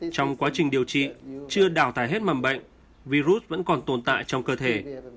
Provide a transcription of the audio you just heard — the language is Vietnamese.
trong quá trình điều trị chưa đảo tải hết mầm bệnh virus vẫn còn tồn tại trong cơ thể